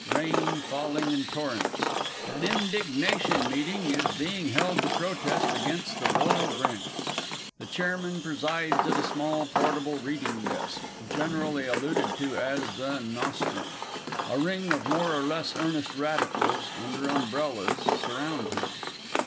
Rain falling in torrents. An Indignation Meeting is being held to protest against the Royal Grants. The Chairman presides at a small portable reading desk, generally alluded to as The "Nostrum"; a ring of more or less Earnest Radicals, under umbrellas, surround him.